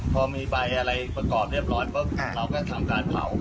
พอมีใบอะไรประกอบเรียบร้อยปุ๊บเราก็ทำการเผา